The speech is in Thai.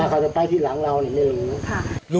ถ้าเขาจะไปที่หลังเราไม่รู้